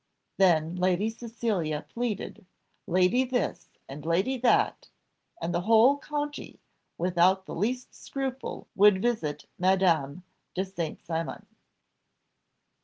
Then Lady Cecilia pleaded, lady this and lady that, and the whole county, without the least scruple would visit Madame de St. Cymon.